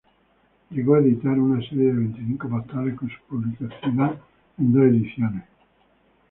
Llegó a editar una serie de veinticinco postales con su publicidad en dos ediciones.